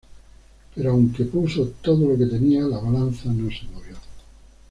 Pero aunque puso todo lo que tenía, la balanza no se movió.